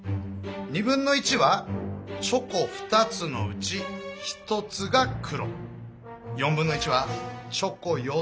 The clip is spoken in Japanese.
1/4はチョコ４つのうち１つが黒。